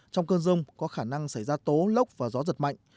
trong cơn rông có khả năng xảy ra tố lốc và gió giật mạnh